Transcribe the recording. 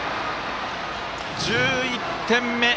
１１点目。